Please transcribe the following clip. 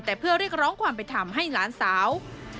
แต่เพื่อเรียกร้องความเป็นธรรมให้หลานสาว